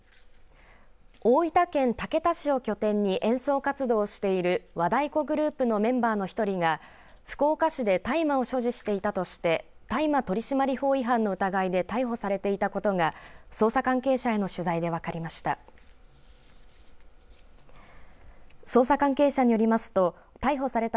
大分県竹田市を拠点に演奏活動をしている和太鼓グループのメンバーの１人が福岡市で大麻を所持していたとして大麻取締法違反の疑いで逮捕されていたことが捜査関係者への取材で分かりました。